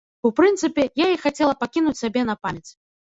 У прынцыпе, я іх хацела пакінуць сабе на памяць.